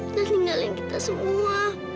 udah ninggalin kita semua